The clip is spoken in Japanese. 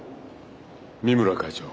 三村会長。